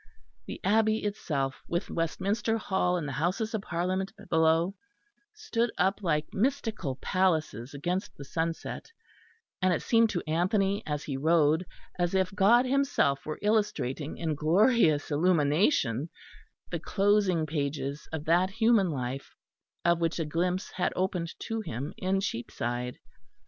The Abbey itself, with Westminster Hall and the Houses of Parliament below, stood up like mystical palaces against the sunset; and it seemed to Anthony as he rode, as if God Himself were illustrating in glorious illumination the closing pages of that human life of which a glimpse had opened to him in Cheapside.